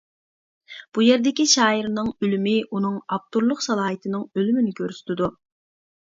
بۇ يەردىكى شائىرنىڭ ئۆلۈمى ئۇنىڭ ئاپتورلۇق سالاھىيىتىنىڭ ئۆلۈمىنى كۆرسىتىدۇ.